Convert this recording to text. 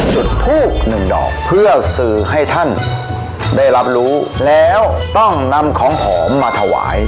จุดทูบหนึ่งดอกเพื่อสื่อให้ท่านได้รับรู้แล้วต้องนำของหอมมาถวาย